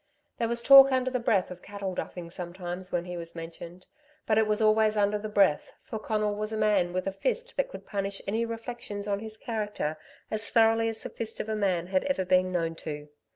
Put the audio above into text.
There was talk under the breath of cattle duffing sometimes when he was mentioned. But it was always under the breath, for Conal was a man with a fist that could punish any reflections on his character as thoroughly as the fist of a man had ever been known to.